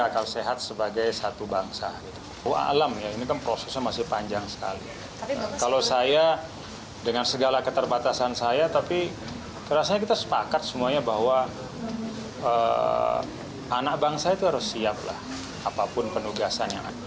kalau saya dengan segala keterbatasan saya tapi rasanya kita sepakat semuanya bahwa anak bangsa itu harus siap lah apapun penugasan yang ada